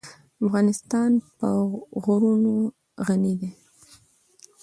افغانستان په غرونه غني دی.